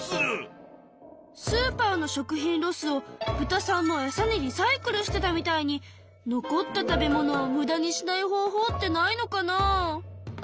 スーパーの食品ロスを豚さんのエサにリサイクルしてたみたいに残った食べ物をムダにしない方法ってないのかなあ？